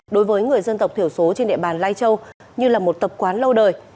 đối với người dân tộc thiểu số trên địa bàn lai châu như là một tập quán lâu đời